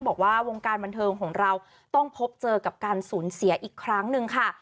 บอกว่าวงการบันเทิงของเราต้องพบเจอกับการสูญเสียอีกครั้งหนึ่งค่ะ